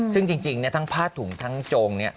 ซึ่งจริงทั้งผ้าถุงทั้งโจงเนี่ย